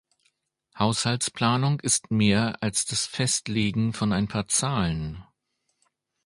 Haushaltsplanung ist mehr als das Festlegen von ein paar Zahlen.